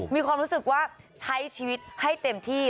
มีความรู้สึกว่าใช้ชีวิตให้เต็มที่